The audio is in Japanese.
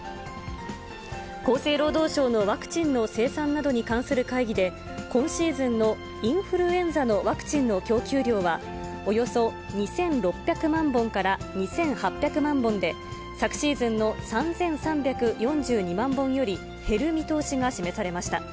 厚生労働省のワクチンの生産などに関する会議で、今シーズンのインフルエンザのワクチンの供給量は、およそ２６００万本から２８００万本で、昨シーズンの３３４２万本より減る見通しが示されました。